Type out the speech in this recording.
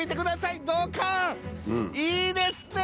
いいですね